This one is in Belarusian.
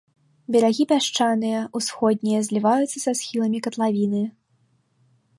Берагі пясчаныя, усходнія зліваюцца са схіламі катлавіны.